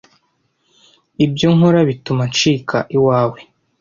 Ibyo nkora bituma ncika iwawe